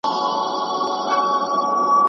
حکومت د مفاد اندازه ټاکلې وه.